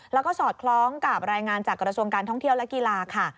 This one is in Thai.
แล้วก็สอดคล้องกับรายงานจากกระทรวงการท่องเที่ยวและกีฬาค่ะ